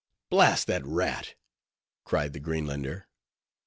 "Blast that rat!" cried the Greenlander.